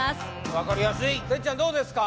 分かりやすいてっちゃんどうですか？